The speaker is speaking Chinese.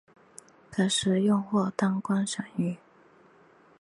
可食用或当观赏鱼。